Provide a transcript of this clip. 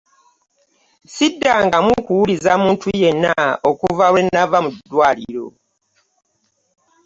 Sidangamu kuwuliza muntu yena okuva wenava mu ddwaliro.